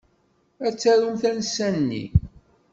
Ad tarum tansa-nni.